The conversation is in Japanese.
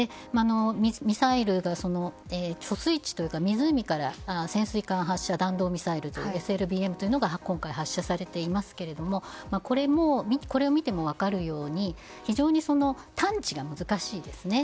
ミサイルが貯水池というか湖から潜水艦発射弾道ミサイルいわゆるＳＬＢＭが発射されていますがこれを見ても分かるように非常に探知が難しいですね。